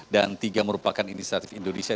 dan tiga merupakan inisiatif indonesia